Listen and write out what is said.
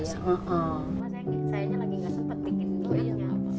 sayangnya lagi gak sempet bikin duitnya